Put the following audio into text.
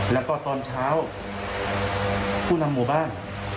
แล้วก็ตอนเช้าผู้นำหมู่บ้าน